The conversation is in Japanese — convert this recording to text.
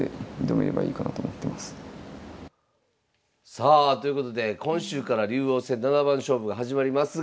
さあということで今週から竜王戦七番勝負が始まりますが。